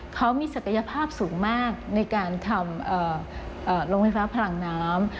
เขามีศักยภาพสูงมากในการทำโรงไฟฟ้าพลังน้ำ